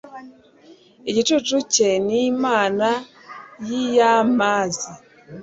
igicucu cye ni imana y'aya mazi